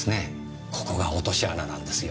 ここが落とし穴なんですよ。